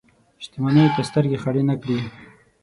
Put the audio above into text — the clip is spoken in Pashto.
شتمنیو ته سترګې خړې نه کړي.